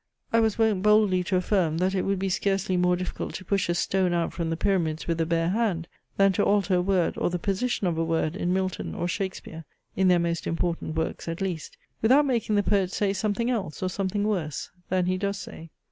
I was wont boldly to affirm, that it would be scarcely more difficult to push a stone out from the Pyramids with the bare hand, than to alter a word, or the position of a word, in Milton or Shakespeare, (in their most important works at least,) without making the poet say something else, or something worse, than he does say.